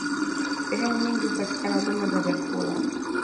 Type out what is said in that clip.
Sehemu nyingi hupatikana huduma za vyakula